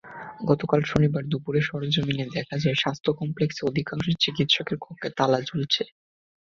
গতকাল শনিবার দুপুরে সরেজমিনে দেখা যায়, স্বাস্থ্য কমপ্লেক্সে অধিকাংশ চিকিৎসকের কক্ষে তালা ঝুলছে।